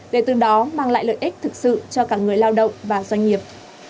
để từ đó mang lại lợi ích thực sự cho cả người lao động và doanh nghiệp